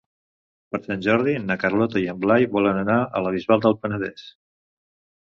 Per Sant Jordi na Carlota i en Blai volen anar a la Bisbal del Penedès.